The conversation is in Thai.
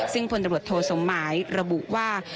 ซึ่งพลตำรวจโทสมหมายระบุว่า